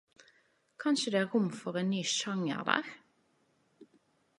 Kanskje det er rom for ein ny sjanger der?